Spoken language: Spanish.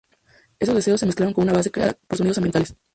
Esos deseos se mezclaron con una base creada por sonidos ambientales.